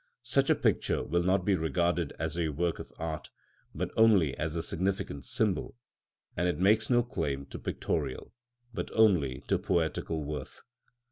Such a picture will not be regarded as a work of art, but only as a significant symbol, and it makes no claim to pictorial, but only to poetical worth.